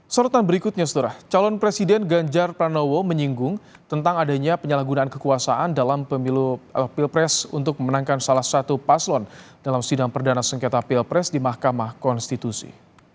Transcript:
sorotan berikutnya setelah calon presiden ganjar pranowo menyinggung tentang adanya penyalahgunaan kekuasaan dalam pemilu pilpres untuk memenangkan salah satu paslon dalam sidang perdana sengketa pilpres di mahkamah konstitusi